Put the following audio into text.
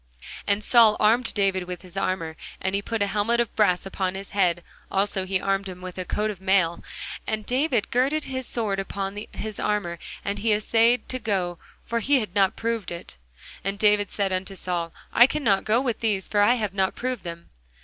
And Saul armed David with his armour, and he put a helmet of brass upon his head; also he armed him with a coat of mail. And David girded his sword upon his armour, and he assayed to go; for he had not proved it. And David said unto Saul, I cannot go with these; for I have not proved them.